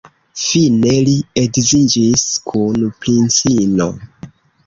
Fine li edziĝis kun princino.